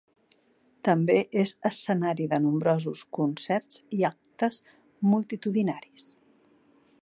També és escenari de nombrosos concerts i actes multitudinaris.